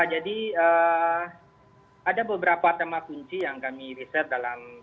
jadi ada beberapa tema kunci yang kami riset dalam